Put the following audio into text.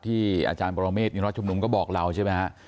อาจารย์ปรเมฆนิรัชชุมนุมก็บอกเราใช่ไหมฮะ